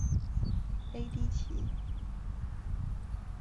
雷迪奇。